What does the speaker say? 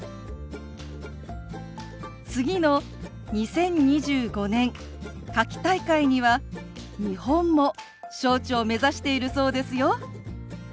次の２０２５年夏季大会には日本も招致を目指しているそうですよ。